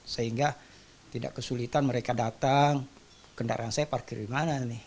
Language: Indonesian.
sehingga tidak kesulitan mereka datang kendaraan saya parkir di mana nih